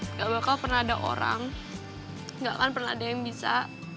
nggak bakal pernah ada orang nggak akan pernah ada yang bisa